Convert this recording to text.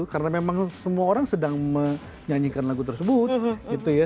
karena memang semua orang sedang menyanyikan lagu tersebut gitu ya